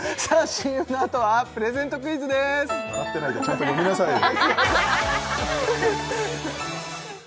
ＣＭのあとはプレゼントクイズです笑ってないでちゃんと読みなさいよ